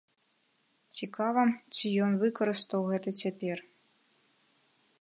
Цікава, ці ён выкарыстаў гэта цяпер.